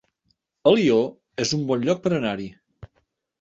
Alió es un bon lloc per anar-hi